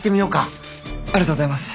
ありがとうございます。